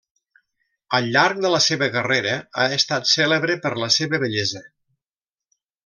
Al llarg de la seva carrera, ha estat cèlebre per la seva bellesa.